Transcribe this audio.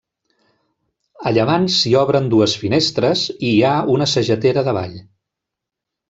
A llevant s'hi obren dues finestres i hi ha una sagetera davall.